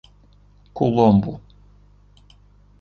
Colombo